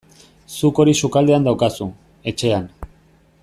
Zuk hori sukaldean daukazu, etxean.